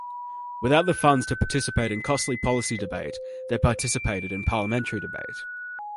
Without the funds to participate in costly policy debate, they participated in parliamentary debate.